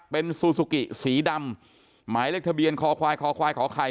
เป็นซูซูกิสีดำหมายเลขทะเบียนคอควายคอควายขอไข่